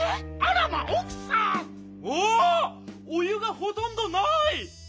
お湯がほとんどない！